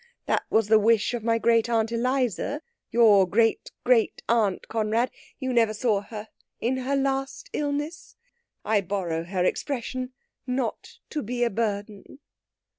That was the wish of my great aunt Eliza your great great aunt, Conrad; you never saw her in her last illness. I borrow her expression 'not to be a burden.'"